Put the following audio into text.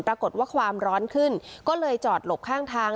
ปรากฏว่าความร้อนขึ้นก็เลยจอดหลบข้างทาง